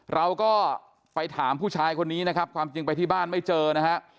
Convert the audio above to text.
เราก็ไปถามผู้ชายคนนี้นะครับความจริงไปที่บ้านไม่เจอนะฮะ